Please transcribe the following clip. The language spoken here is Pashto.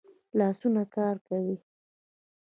لاسونه کار کوي